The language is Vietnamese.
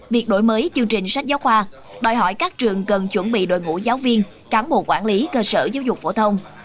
việc đổi mới chương trình sách giáo khoa đòi hỏi các trường cần chuẩn bị đội ngũ giáo viên cán bộ quản lý cơ sở giáo dục phổ thông